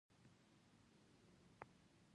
لکه د پخوا په څېر.